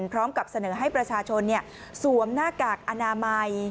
พร้อมกับเสนอให้ประชาชนสวมหน้ากากอนามัย